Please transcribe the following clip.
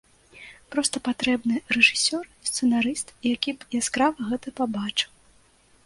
Проста патрэбны рэжысёр, сцэнарыст які б яскрава гэта пабачыў.